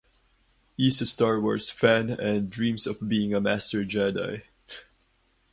He is a Star Wars fan and dreams of being a master Jedi.